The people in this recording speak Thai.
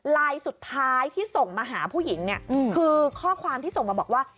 ลายสุดท้ายที่ส่งมาหาผู้หญิงเนี่ยคือข้อความที่ส่งมาบอกว่า